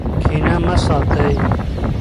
کینه مه ساتئ.